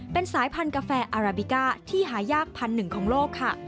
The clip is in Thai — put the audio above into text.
เป็นสายพันธุ์กาแฟอาราบิก้าที่หายากพันธุ์หนึ่งของโลกค่ะ